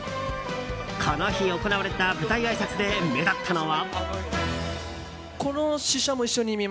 この日行われた舞台あいさつで目立ったのは。